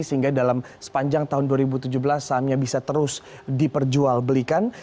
sehingga dalam sepanjang tahun dua ribu tujuh belas sahamnya bisa terus diperjual belikan